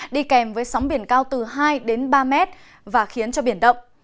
đi kèm với sóng biển cao từ hai đến ba mét và khiến cho biển động